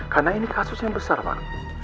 karena ini kasus yang besar pak